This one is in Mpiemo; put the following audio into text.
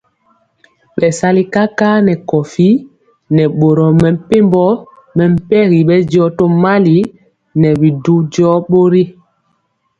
Bɛsali kakar nɛ kowi nɛ boro mepempɔ mɛmpegi bɛndiɔ tomali nɛ bi du jɔɔ bori.